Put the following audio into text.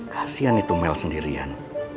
kasian itu mel sendirian